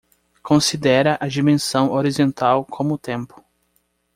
Considera a dimensão horizontal como tempo.